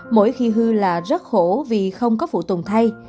mỗi khi hư là rất khổ vì không có phụ tùng thay